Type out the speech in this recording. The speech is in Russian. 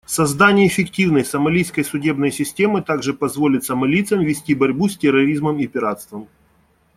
Создание эффективной сомалийской судебной системы также позволит сомалийцам вести борьбу с терроризмом и пиратством.